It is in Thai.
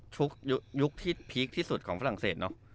ยุคที่พีคที่สุดของฝรั่งเศสเนอะ